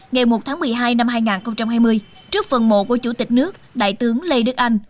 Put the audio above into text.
ngày một tháng một mươi hai năm hai nghìn hai mươi trước phần mộ của chủ tịch nước đại tướng lê đức anh